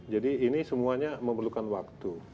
jadi ini semuanya memerlukan waktu